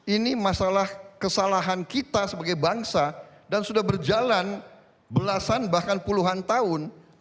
ini masalah kesalahan kita sebagai bangsa dan sudah berjalan belasan bahkan puluhan tahun